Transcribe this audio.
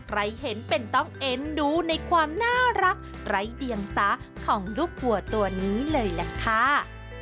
ใครเห็นเป็นต้องเอ็นดูในความน่ารักไร้เดียงสาของลูกวัวตัวนี้เลยล่ะค่ะ